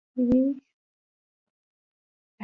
هلک د کور برکت دی.